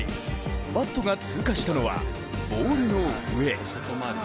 バットが通過したのはボールの上。